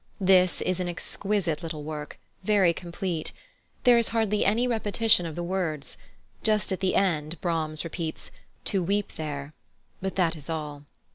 This is an exquisite little work, very complete; there is hardly any repetition of the words: just at the end Brahms repeats "to weep there," but that is all.